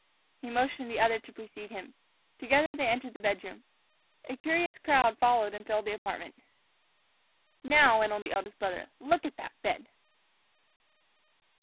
He motioned the other to precede him. Together they entered the bedroom. A curious crowd followed and filled the apartment. "Now," went on the eldest brother, "look at that bed."